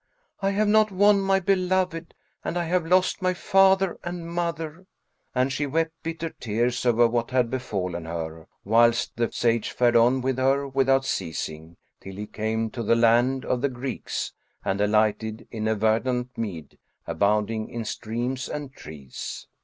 I have not won my beloved and I have lost my father and mother!" And she wept bitter tears over what had befallen her, whilst the Sage fared on with her, without ceasing, till he came to the land of the Greeks[FN#24] and alighted in a verdant mead, abounding in streams and trees.